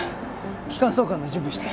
気管挿管の準備して。